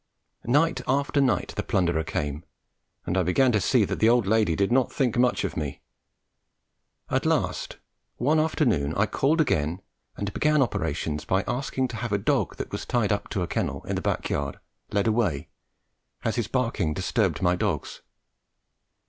Night after night the plunderer came, and I began to see that the old lady did not think much of me. At last, one afternoon, I called again and began operations by asking to have a dog that was tied up to a kennel in a back yard led away, as his barking disturbed my dogs.